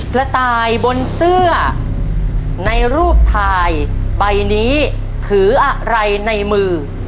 กระต่ายบนเสื้อในรูปถ่ายใบนี้ถืออะไรในมือ